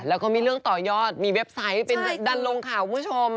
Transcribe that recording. แล้วก็มีเรื่องต่อยอดมีเว็บไซต์เป็นดันลงข่าวคุณผู้ชม